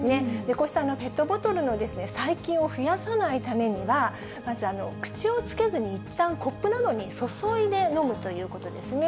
こうしたペットボトルの細菌を増やさないためには、まず口をつけずに、いったんコップなどに注いで飲むということですね。